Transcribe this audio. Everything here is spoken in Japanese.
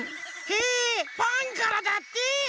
へえファンからだって！